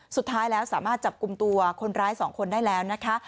สุดท้ายแล้วสามารถจับกลุ่มตัวคนร้าย๒คนได้แล้วนะคะ